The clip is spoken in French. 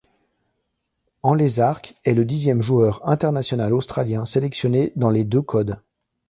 Anlezark est le dixième joueur international australien sélectionné dans les deux codes.